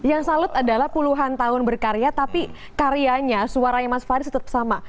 yang salut adalah puluhan tahun berkarya tapi karyanya suaranya mas faris tetap sama